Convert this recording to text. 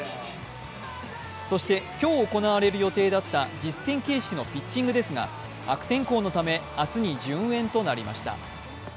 そして今日行われる予定だった実戦形式のピッチングですが悪天候のため明日に順延となりました。